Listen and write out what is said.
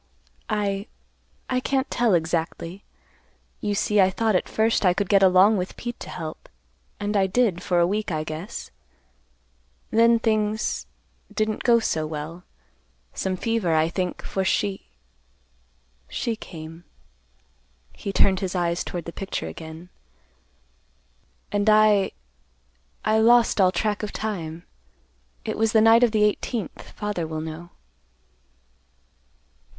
"I—I can't tell exactly. You see I thought at first I could get along with Pete to help, and I did, for a week, I guess. Then things—didn't go so well. Some fever, I think, for she—she came." He turned his eyes toward the picture again. "And I—I lost all track of time. It was the night of the eighteenth. Father will know."